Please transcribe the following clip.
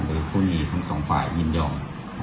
โดยคู่นี้ทั้งสองฝ่ายยินยอม